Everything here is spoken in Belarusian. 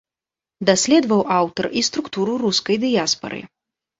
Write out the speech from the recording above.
Даследаваў аўтар і структуру рускай дыяспары.